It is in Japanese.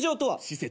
施設？